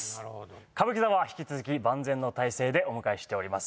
歌舞伎座は引き続き万全の体制でお迎えしております